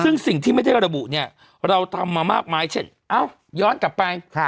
ซึ่งสิ่งที่ไม่ได้ระบุเนี่ยเราทำมามากมายเช่นเอ้าย้อนกลับไป